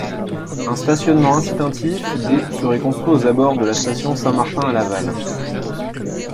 Un stationnement incitatif de serait construit aux abords de la station Saint-Martin à Laval.